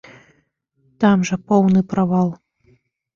Там жа поўны правал.